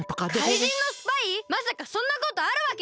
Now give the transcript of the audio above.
まさかそんなことあるわけない！